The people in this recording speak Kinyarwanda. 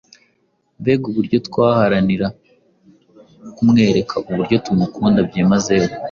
mbega uburyo twaharanira kumwereka uburyo tumukunda byimazeyo,